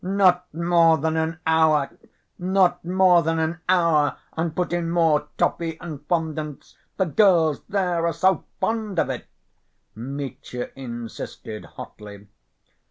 "Not more than an hour! Not more than an hour! And put in more toffee and fondants. The girls there are so fond of it," Mitya insisted hotly.